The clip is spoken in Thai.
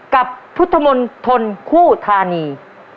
กับพุทธมนตรคู่ธานี